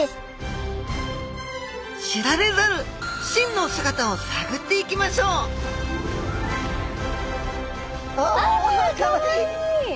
知られざる真の姿をさぐっていきましょうあかわいい！